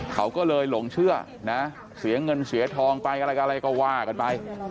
เขาก็เลยหลงเชื่อนะเสียเงินเสียทองไปอะไรอะไรก็ว่ากันไป